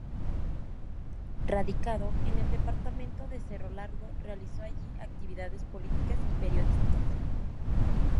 Radicado en el departamento de Cerro Largo, realizó allí actividades políticas y periodísticas.